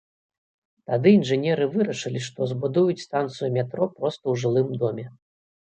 Тады інжынеры вырашылі, што збудуюць станцыю метро проста ў жылым доме.